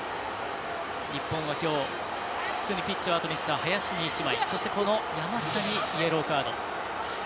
日本は、きょうすでにピッチをあとにした林に１枚そして、この山下にイエローカード。